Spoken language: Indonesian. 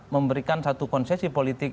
memberikan satu konsesi politik